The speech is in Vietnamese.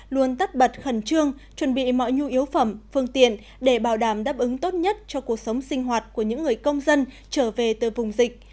luôn tắt bật khẩn trương chuẩn bị mọi nhu yếu phẩm phương tiện để bảo đảm đáp ứng tốt nhất cho cuộc sống sinh hoạt của những người công dân trở về từ vùng dịch